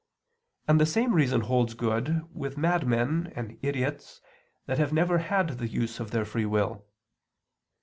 And the same reason holds good with madmen and idiots that have never had the use of their free will.